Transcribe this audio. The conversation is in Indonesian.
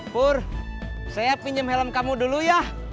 pur saya pinjam helm kamu dulu ya